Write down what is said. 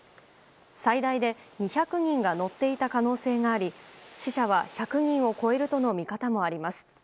最大で２００人が乗っていた可能性があり死者は１００人を超えるとの見方もあります。